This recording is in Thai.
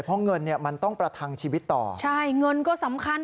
เพราะเงินเนี่ยมันต้องประทังชีวิตต่อใช่เงินก็สำคัญ